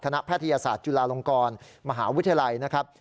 แพทยศาสตร์จุฬาลงกรมหาวิทยาลัยนะครับ